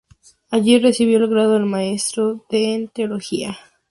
Allí recibió el grado de maestro en teología.